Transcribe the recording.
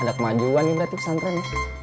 ada kemajuan nih berarti pesan tren